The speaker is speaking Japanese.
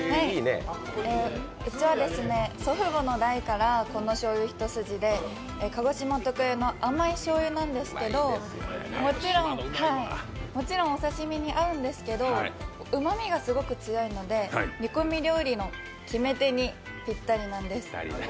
うちは祖父母の代からこのしょうゆ一筋で、鹿児島特有の甘い醤油なんですけど、もちろんお刺身に合うんですけど、うまみがすごく強いので煮込み料理の決め手にぴったりなんです。